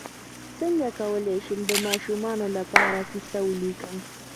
څنګه کولی شم د ماشومانو لپاره کیسه ولیکم